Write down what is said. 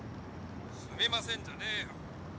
すみませんじゃねえよ。